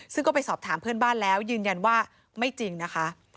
ซึ่งก็ไปสอบถามเพื่อนบ้านแล้วยืนยันว่าไม่จริงนะคะ